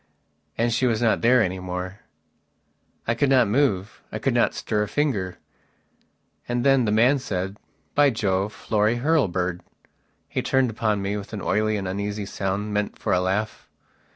And she was not there any more. I could not move; I could not stir a finger. And then that man said: "By Jove: Florry Hurlbird." He turned upon me with an oily and uneasy sound meant for a laugh.